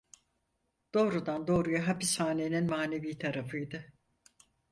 Doğrudan doğruya hapishanenin manevi tarafıydı.